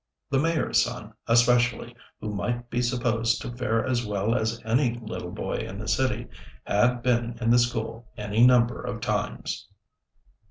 The Mayor's son, especially, who might be supposed to fare as well as any little boy in the city, had been in the school any number of times.